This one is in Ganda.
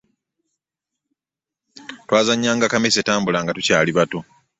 Twazannyanga kamesetambula nga tukyali bato.